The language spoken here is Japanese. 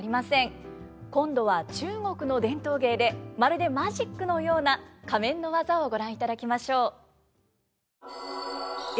今度は中国の伝統芸でまるでマジックのような仮面の技をご覧いただきましょう。